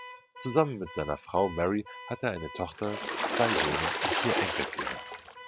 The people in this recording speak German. Zusammen mit seiner Frau Mary hat er eine Tochter, zwei Söhne und vier Enkelkinder.